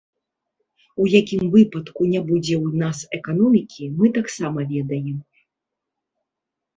У якім выпадку не будзе ў нас эканомікі, мы таксама ведаем.